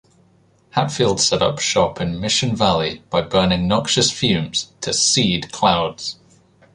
Hatfield set up shop in Mission Valley by burning noxious fumes to "seed" clouds.